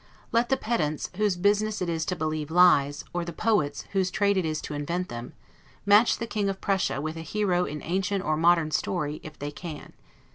Let the pedants, whose business it is to believe lies, or the poets, whose trade it is to invent them, match the King of Prussia With a hero in ancient or modern story, if they can.